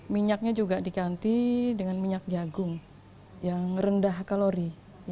minyaknya juga diganti dengan minyak jagung yang rendah kalori